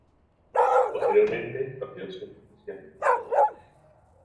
Posteriormente perdió su inscripción electoral.